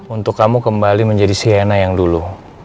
untuk kamu kembali menjadi siena yang dulu